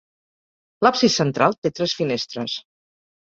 L'absis central té tres finestres.